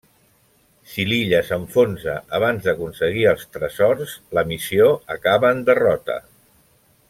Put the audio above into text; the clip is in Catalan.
Si l'illa s'enfonsa abans d'aconseguir els tresors, la missió acaba en derrota.